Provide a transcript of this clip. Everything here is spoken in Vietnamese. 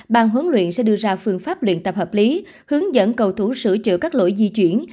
bàn huấn luyện sẽ đưa ra phương pháp luyện tập hợp lý hướng dẫn cầu thủ sửa chữa các lỗi di chuyển